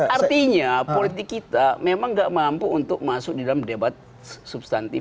artinya politik kita memang nggak mampu untuk masuk di dalam debat substantif